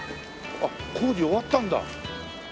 あっ工事終わったんだ。